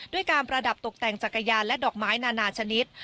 ด้วยการประดับตกแต่งจักรยานและดอกไม้นานาชนิด